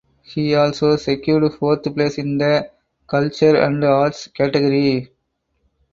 He also secured fourth place in the "culture and arts" category.